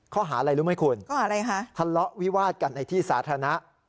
เขาหาอะไรรู้ไม่คุณทะเลาะวิวาสกันในที่สาธารณะ